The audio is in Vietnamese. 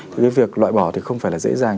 thì cái việc loại bỏ thì không phải là dễ dàng